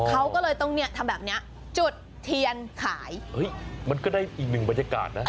เขาก็เลยต้องเนี่ยทำแบบเนี้ยจุดเทียนขายเฮ้ยมันก็ได้อีกหนึ่งบรรยากาศนะ